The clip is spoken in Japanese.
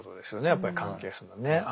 やっぱり関係するのはね。